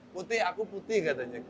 putih aku putih katanya